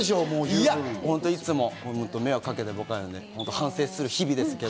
いつも迷惑かけてばかりなんで、反省する日々ですけど。